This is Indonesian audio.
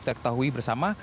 kita ketahui bersama